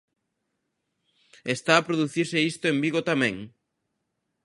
Está a producirse isto en Vigo tamén?